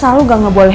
tepuk tangan saya